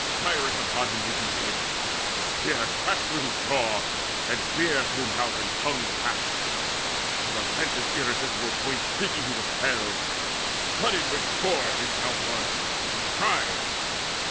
Nirus upon him laid he dead; the spear Crashed through his jaw, and clear through mouth and tongue Passed: on the lance's irresistible point Shrieking was he impaled: flooded with gore His mouth was as he cried.